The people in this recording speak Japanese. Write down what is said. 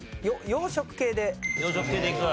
洋食系でいく。